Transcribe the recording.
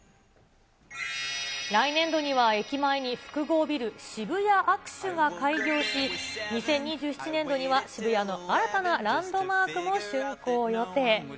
来年度には駅前に複合ビル、渋谷アクシュが開業し、２０２７年度には渋谷の新たなランドマークもしゅんこう予定。